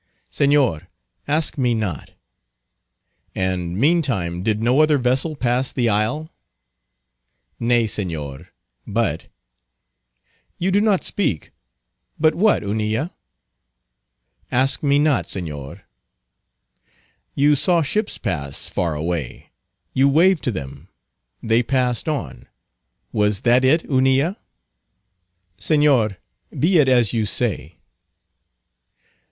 "Señor, ask me not." "And meantime, did no other vessel pass the isle?" "Nay, Señor;—but—" "You do not speak; but what, Hunilla?" "Ask me not, Señor." "You saw ships pass, far away; you waved to them; they passed on;—was that it, Hunilla?" "Señor, be it as you say."